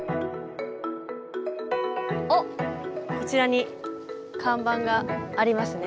あっこちらに看板がありますね。